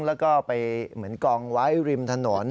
แล้วก็ไปเหมือนกองไว้ริมถนน